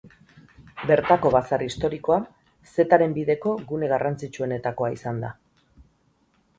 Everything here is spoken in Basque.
Bertako bazar historikoa Zetaren Bideko gune garrantzitsuenetakoa izan da.